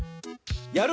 やる